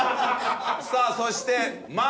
さあそして「ま」。